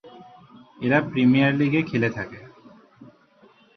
এরা প্রিমিয়ার লীগে খেলে থাকে।